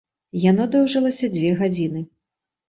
Яно доўжылася дзве гадзіны.